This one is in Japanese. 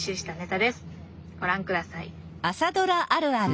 ご覧ください。